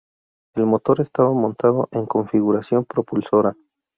El motor estaba montado en configuración propulsora.